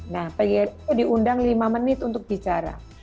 nah pgri itu diundang lima menit untuk bicara